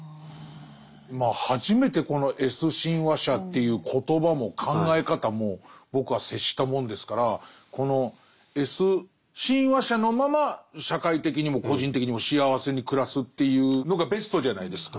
まあ初めてこのＳ親和者っていう言葉も考え方も僕は接したもんですからこのＳ親和者のまま社会的にも個人的にも幸せに暮らすというのがベストじゃないですか。